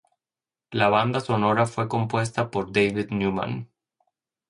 La banda sonora fue compuesta por David Newman.